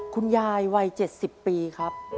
คุณยายวัย๗๐ปีครับ